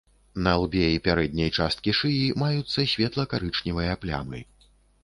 На лбе і пярэдняй часткі шыі маюцца светла-карычневыя плямы.